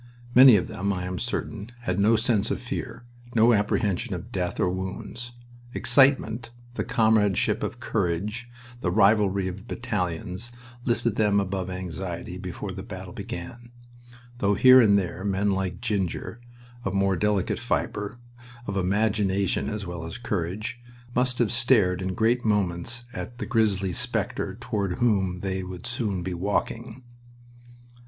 Many of them, I am certain, had no sense of fear, no apprehension of death or wounds. Excitement, the comradeship of courage, the rivalry of battalions, lifted them above anxiety before the battle began, though here and there men like Ginger, of more delicate fiber, of imagination as well as courage, must have stared in great moments at the grisly specter toward whom they would soon be walking.